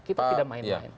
kita tidak main main